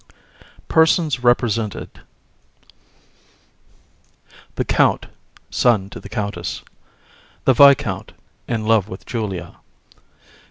PERSONS REPRESENTED THE COUNT, son to the COUNTESS. THE VISCOUNT, in love with JULIA.